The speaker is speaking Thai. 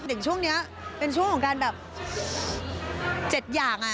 ถึงช่วงนี้เป็นช่วงของการแบบ๗อย่าง